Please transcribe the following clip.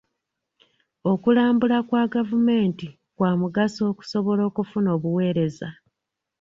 Okulambula kwa gavumenti kwa mugaso okusobola okufuna obuweereza.